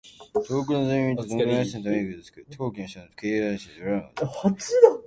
遠くのぞみ見てその素晴らしさにため息を吐く。高貴の人などを敬慕してうらやむこと。